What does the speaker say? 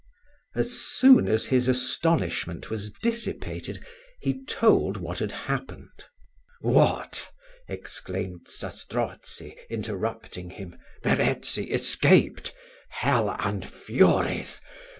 As soon as his astonishment was dissipated, he told Zastrozzi what had happened. "What!" exclaimed Zastrozzi, interrupting him, "Verezzi escaped! Hell and furies!